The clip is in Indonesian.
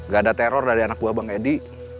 gak ada teror dari anak buah bang edi